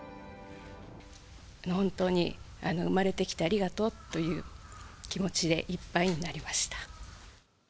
本当に生まれてきてありがとうという気持ちでいっぱいになりました。